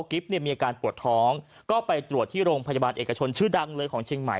เนี่ยมีอาการปวดท้องก็ไปตรวจที่โรงพยาบาลเอกชนชื่อดังเลยของเชียงใหม่